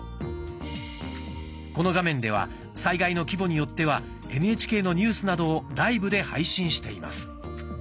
この画面では災害の規模によってはＮＨＫのニュースなどをライブで配信しています。